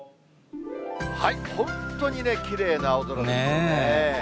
本当にね、きれいな青空ですね。